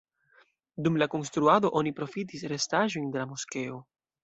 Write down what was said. Dum la konstruado oni profitis restaĵojn de la moskeo.